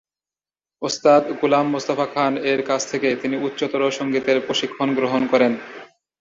ওস্তাদ গুলাম মোস্তফা খান এর কাছ থেকে তিনি উচ্চতর সঙ্গীতের প্রশিক্ষণ গ্রহণ করেন।